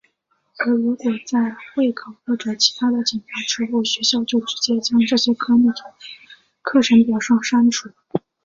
而如果在会考或其它的检查之后学校就直接将这些科目从课程表上删除。